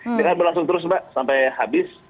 kita akan berlangsung terus mbak sampai habis